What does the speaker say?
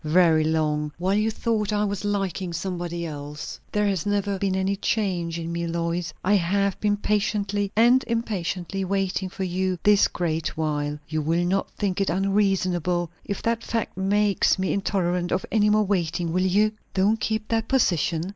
"Very long! while you thought I was liking somebody else. There has never been any change in me, Lois. I have been patiently and impatiently waiting for you this great while. You will not think it unreasonable, if that fact makes me intolerant of any more waiting, will you?" "Don't keep that position!"